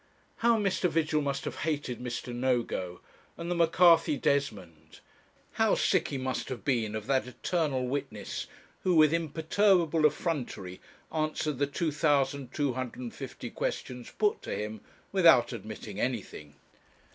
How Mr. Vigil must have hated Mr. Nogo, and the M'Carthy Desmond! how sick he must have been of that eternal witness who, with imperturbable effrontery, answered the 2,250 questions put to him without admitting anything!